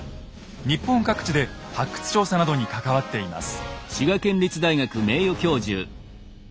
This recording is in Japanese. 日本各地で発掘調査などに関わっています。